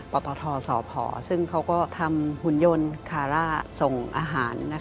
ปตทสพซึ่งเขาก็ทำหุ่นยนต์คาร่าส่งอาหาร